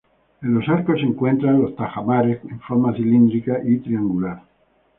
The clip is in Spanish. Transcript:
En los arcos se encuentran los tajamares con forma cilíndrica y triangular.